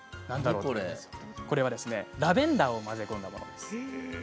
これはラベンダーを混ぜたものです。